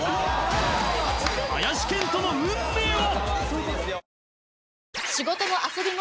林遣都の運命は？